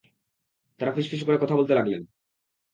তাঁরা ফিসফিস করে কথা বলতে লাগলেন।